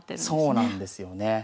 そうなんですよね。